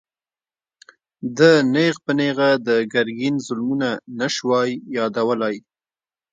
ده نېغ په نېغه د ګرګين ظلمونه نه شوای يادولای.